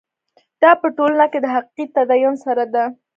دا په ټولنه کې د حقیقي تدین سره ده.